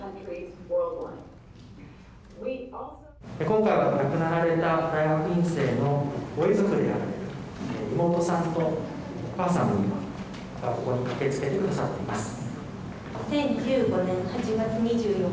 今回は亡くなられた大学院生のご遺族である妹さんとお母さんがここに駆けつけて下さっています。